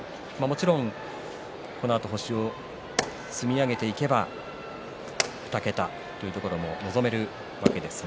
このあと星を積み上げていけば２桁というところも望めるわけです。